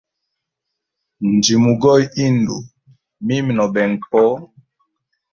Njimugoya indu mimi nobenga po.